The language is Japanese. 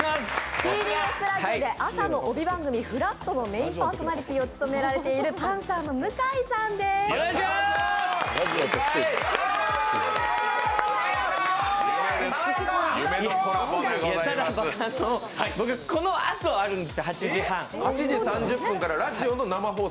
ＴＢＳラジオで朝のメイン帯番組「＃ふらっと」のメインパーソナリティーを務められているパンサーの向井さんです。